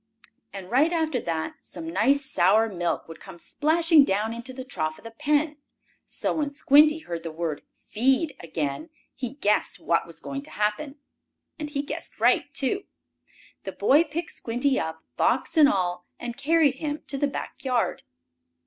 And right after that, some nice sour milk would come splashing down into the trough of the pen. So when Squinty heard the word "feed" again, he guessed what was going to happen. And he guessed right, too. The boy picked Squinty up, box and all, and carried him to the back yard.